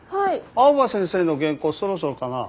青葉先生の原稿そろそろかな。